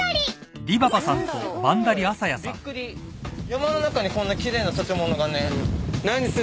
山の中にこんな奇麗な建物がね。